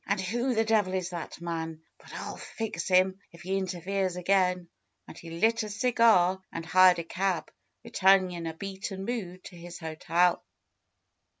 "And who the devil is that man? But I'll fix him if he in terferes again." And he lit a cigar and hired a cab, returning in a beaten mood to his hotel.